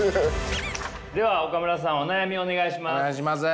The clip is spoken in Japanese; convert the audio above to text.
では岡村さんお悩みをお願いします。